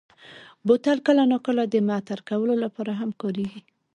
بوتل کله ناکله د معطر کولو لپاره هم کارېږي.